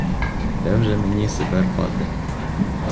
Де вже мені себе рвати?